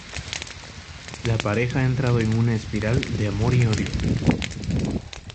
La pareja ha entrado en una espiral de amor y odio.